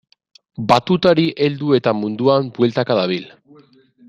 Batutari heldu eta munduan bueltaka dabil.